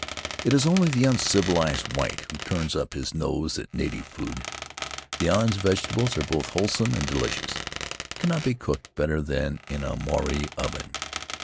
It is only the uncivilized white who turns up his nose at native food; the island's vegetables are both whole some and delicious, and cannot be cooked better than in a Maori oven.